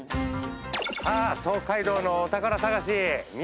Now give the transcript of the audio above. さあ東海道のお宝探し三